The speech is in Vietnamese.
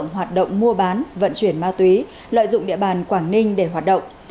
hoạt động mua bán vận chuyển ma túy lợi dụng địa bàn quảng ninh để hoạt động